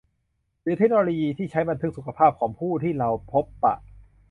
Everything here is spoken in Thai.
หรือเทคโนโลยีที่ใช้บันทึกสุขภาพของผู้ที่เราพบปะ